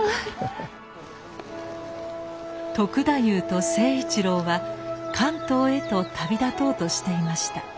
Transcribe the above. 篤太夫と成一郎は関東へと旅立とうとしていました。